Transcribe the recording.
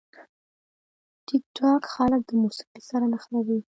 ټیکټاک خلک د موسیقي سره نښلوي.